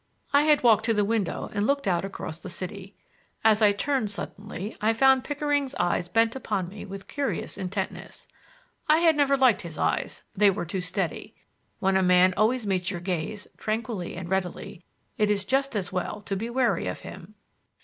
I had walked to the window and looked out across the city. As I turned suddenly I found Pickering's eyes bent upon me with curious intentness. I had never liked his eyes; they were too steady. When a man always meets your gaze tranquilly and readily, it is just as well to be wary of him.